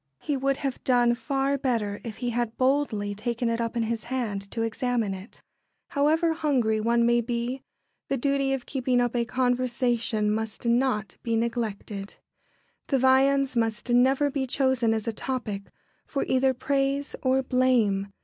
He would have done far better if he had boldly taken it up in his hand to examine it. However hungry one may be, the duty of keeping up a conversation must not be neglected. The [Sidenote: A topic to be avoided.] The viands must never be chosen as a topic, for either praise or blame.